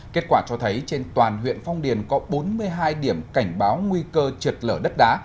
kết quả cho thấy trên toàn huyện phong điền có bốn mươi hai điểm cảnh báo nguy cơ trượt lở đất đá